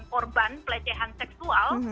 korban pelecehan seksual